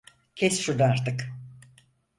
Kes şunu artık!